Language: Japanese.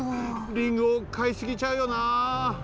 リンゴかいすぎちゃうよな。